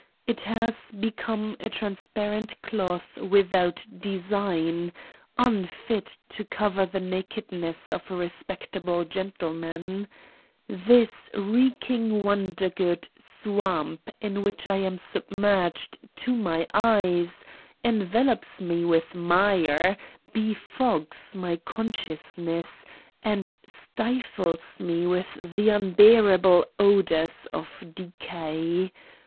It has become a transparent cloth without design, unfit to cover the nakedness of a respectable gentleman ! This reeking Won dergood swamp in which I am submerged to my eyes, envelops me with mire, befogs my con sciousness and stifles me with the unbearable odors of decay.